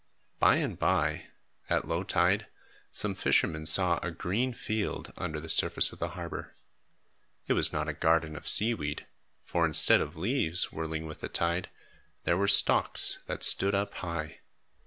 By and by, at low tide, some fishermen saw a green field under the surface of the harbor. It was not a garden of seaweed, for instead of leaves whirling with the tide, there were stalks that stood up high.